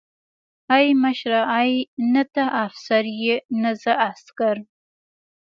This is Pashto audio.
ای مشره ای نه ته افسر يې نه زه عسکر.